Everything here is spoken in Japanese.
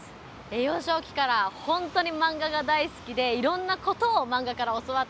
幼少期から本当にマンガが大好きでいろんなことをマンガから教わってきました。